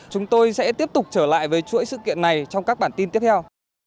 chúng tôi sẽ tiếp tục trở lại với chuỗi sự kiện này trong các bản tin tiếp theo